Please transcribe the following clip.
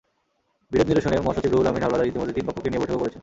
বিরোধ নিরসনে মহাসচিব রুহুল আমিন হাওলাদার ইতিমধ্যে তিন পক্ষকে নিয়ে বৈঠকও করেছেন।